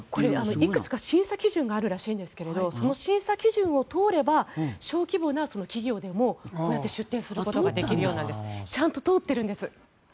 いくつか審査基準があるらしいんですがその審査基準を通れば小規模な企業でもこうやって出展することができるそうなんです。